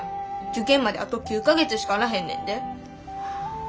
受験まであと９か月しかあらへんねんで。